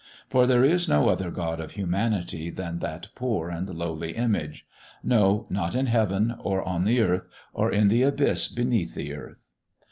For there is no other God of humanity than that poor and lowly image no, not in heaven or on the earth or in the abyss beneath the earth.